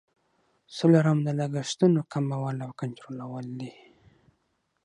څلورم د لګښتونو کمول او کنټرولول دي.